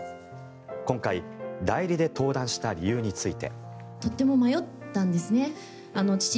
今回、代理で登壇した理由について。